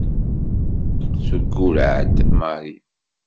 Teggurreɛ-d Mary.